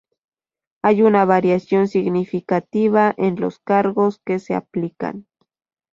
Hay una variación significativa en los cargos que se aplican.